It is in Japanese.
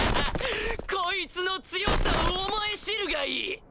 こいつの強さを思い知るがいい！